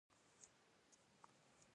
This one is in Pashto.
دا مېکتاب ده